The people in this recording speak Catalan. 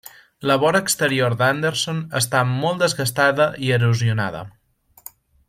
La vora exterior d'Anderson està molt desgastada i erosionada.